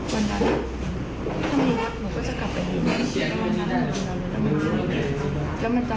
คนที่ถ้ามีสักหนูก็จะกลับไปหัวใจ